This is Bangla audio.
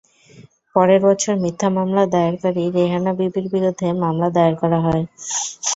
পরের বছর মিথ্যা মামলা দায়েরকারী রেহানা বিবির বিরুদ্ধে মামলা দায়ের করা হয়।